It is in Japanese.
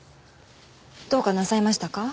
どうかなさいましたか？